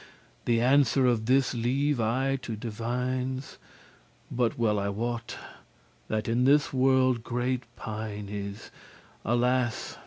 "The answer of this leave I to divines, But well I wot, that in this world great pine* is; *pain, trouble Alas!